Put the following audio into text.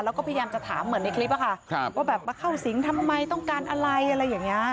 แล้วก็พยายามจะถามเหมือนในคลิปอะค่ะว่าแบบมาเข้าสิงทำไมต้องการอะไรอะไรอย่างนี้